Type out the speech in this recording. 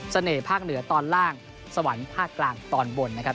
ภาคเหนือตอนล่างสวรรค์ภาคกลางตอนบนนะครับ